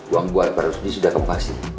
uang buat perusahaan sudah kembali